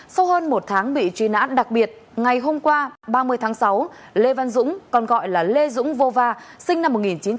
sau hơn một tháng bị truy nã đặc biệt ngày hôm qua ba mươi tháng sáu lê văn dũng còn gọi là lê dũng vô va sinh năm một nghìn chín trăm tám mươi